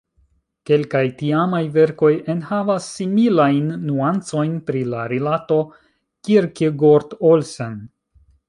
Kelkaj tiamaj verkoj enhavas similajn nuancojn pri la rilato Kierkegaard-Olsen.